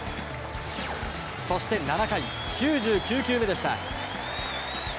そして７回、９９球目でした。